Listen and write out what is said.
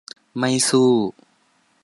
ไม่สู้